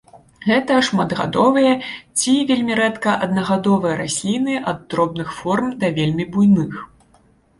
Гэта шматгадовыя ці вельмі рэдка аднагадовыя расліны ад дробных форм да вельмі буйных.